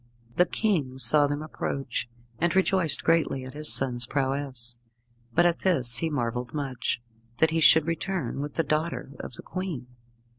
The King saw them approach, and rejoiced greatly at his son's prowess; but at this he marvelled much, that he should return with the daughter of the Queen.